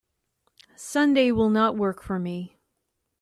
Sunday will not work for me.